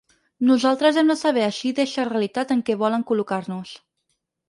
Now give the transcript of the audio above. Nosaltres hem de saber eixir d’eixa realitat en què volen col·locar-nos.